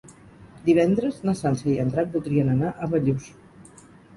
Divendres na Sança i en Drac voldrien anar a Bellús.